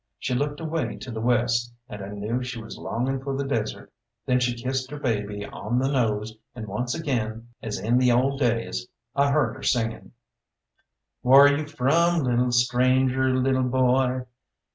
She looked away to the west, and I knew she was longing for the desert. Then she kissed her baby on the nose, and once again, as in the old days, I heard her singing: "Whar y'u from, little stranger little boy?